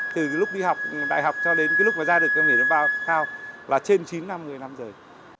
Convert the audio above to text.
từ lúc đi học đại học cho đến lúc ra được đăng kiểm viên bậc cao là trên chín năm một mươi năm rồi